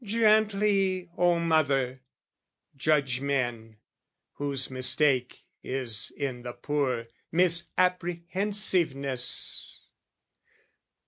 Gently, O mother, judge men! whose mistake Is in the poor misapprehensiveness.